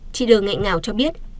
chị n t l ngạy ngào cho biết